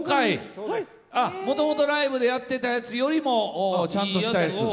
もともと、ライブでやってたやつよりもちゃんとしたのを。